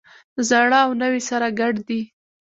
زاړه او نوي سره ګډ دي.